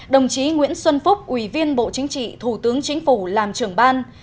đồng chí nguyễn xuân phúc ủy viên bộ chính trị thủ tướng chính phủ làm trưởng ban